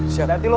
siap hati lo